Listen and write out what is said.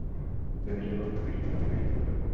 যদি সে বলতো বৃষ্টি হবে, বৃষ্টি হতো।